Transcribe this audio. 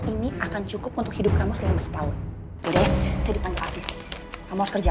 melakukan apa sih aku gak ngerti ya